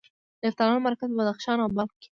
د یفتلیانو مرکز په بدخشان او بلخ کې و